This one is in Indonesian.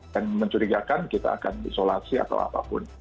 dan mencurigakan kita akan disolasi atau apapun